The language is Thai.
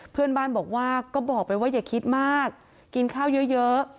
เพื่อนบ้านบอกว่าก็บอกไปว่าอย่าคิดมากกินข้าวเยอะ